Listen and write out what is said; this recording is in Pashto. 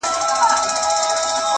كوم حميد به خط و خال كاغذ ته يوسي.!